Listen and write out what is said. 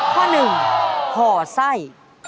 ข้อหนึ่งห่อไส้